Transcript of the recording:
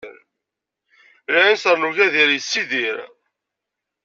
Lɛinṣeṛ n ugadir yessidir.